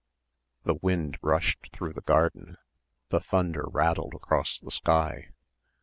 The wind rushed through the garden, the thunder rattled across the sky.